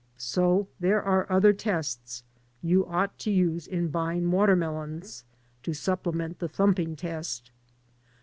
So there are other tests you ought to use in "buying watermelons, to supplement the thumping test.